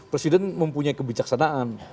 presiden mempunyai kebijaksanaan